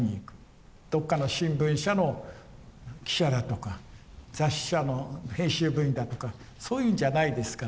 どこかの新聞社の記者だとか雑誌社の編集部員だとかそういうんじゃないですから。